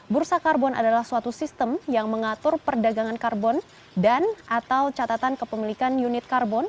bursa karbon adalah suatu sistem yang mengatur perdagangan karbon dan atau catatan kepemilikan unit karbon